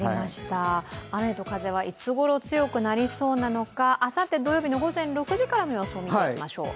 雨と風はいつごろ強くなりそうなのかあさって土曜日の午前６時からの様子を見てみましょう。